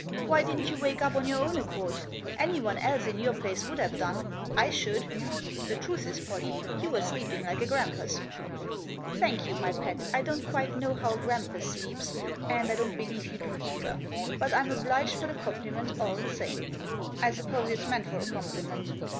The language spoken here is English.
Why didn't you wake up on your own accord ? Anyone else in your placs would have done ^ I should. The truth Is, Pallie, you Wire sleeping like a grampus," " Thank you, my pet. I don't quite know how a grampus sleeps, and I don't believe you do either ; but I'm obliged for the compliment all the same. I suppose it's meant for a compliment.